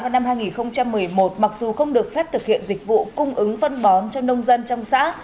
năm hai nghìn một mươi một mặc dù không được phép thực hiện dịch vụ cung ứng phân bón cho nông dân trong xã